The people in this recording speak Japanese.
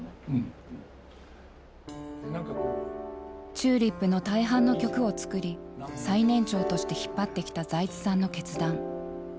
ＴＵＬＩＰの大半の曲を作り最年長として引っ張ってきた財津さんの決断。